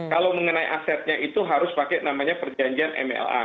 kalau mengenai asetnya itu harus pakai namanya perjanjian mla